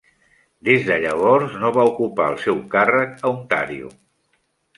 Des de llavors no va ocupar el seu càrrec a Ontario.